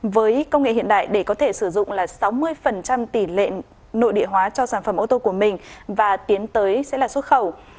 với công nghệ hiện đại để có thể sử dụng là sáu mươi tỷ lệ nội địa hóa cho sản phẩm ô tô của mình và tiến tới sẽ là xuất khẩu